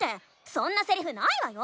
そんなセリフないわよ！